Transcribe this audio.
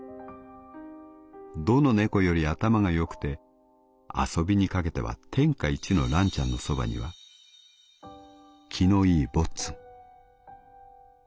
どの猫より頭が良くて遊びにかけては天下一のらんちゃんのそばには気のいいぼっつん」。